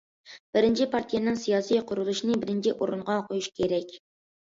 بىرىنچى، پارتىيەنىڭ سىياسىي قۇرۇلۇشىنى بىرىنچى ئورۇنغا قويۇش كېرەك.